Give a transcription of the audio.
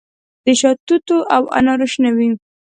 د شاتوتو او انارو شنه وي